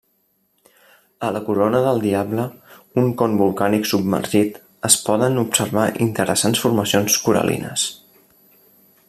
A la Corona del Diable, un con volcànic submergit, es poden observar interessants formacions coral·lines.